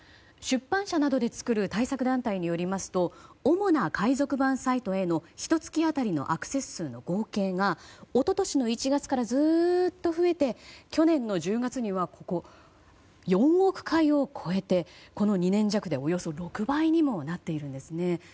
出版社などで作る対策団体によりますと主な海賊版サイトへのひと月当たりのアクセス数の合計が一昨年の１月からずっと増えて去年１０月には４億回を超えて、この２年弱でおよそ６倍にもなっているんですね。